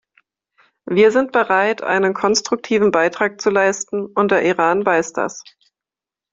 Wir sind bereit, einen konstruktiven Beitrag zu leisten und der Iran weiß das.